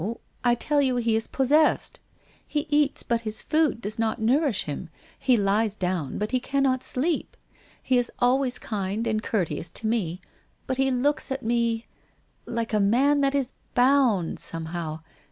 I tell you he is possessed. He eats, but his food does not nourish him; he lies down, but he cannot sleep. He is always quite kind and courteous to me, but he looks at me — like a man that is bound — somehow?